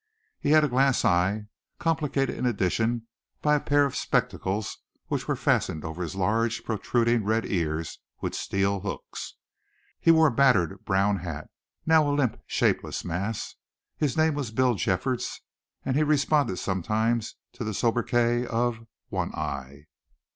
He had a glass eye, complicated in addition by a pair of spectacles which were fastened over his large, protruding red ears with steel hooks. He wore a battered brown hat, now a limp shapeless mass. His name was Bill Jeffords and he responded sometimes to the sobriquet of "One Eye."